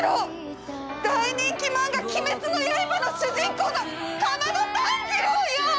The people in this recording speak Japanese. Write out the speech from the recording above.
大人気漫画「鬼滅の刃」の主人公の竈門炭治郎よ！